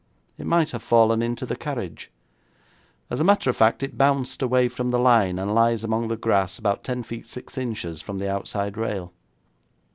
It might have fallen into the carriage. As a matter of fact, it bounced away from the line and lies among the grass about ten feet six inches from the outside rail.